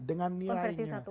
iya dengan nilainya